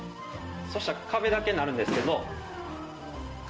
そしたら壁だけなるんですけど。